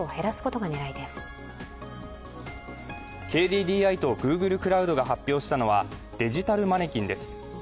ＫＤＤＩとグーグルクラウドが発表したのはデジタルマネキンです。